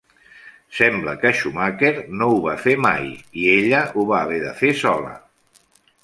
Sembla que Schumacher no ho va fer mai, i ella ho va haver de fer sola.